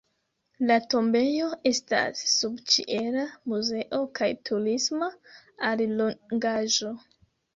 La tombejo estas subĉiela muzeo kaj turisma allogaĵo.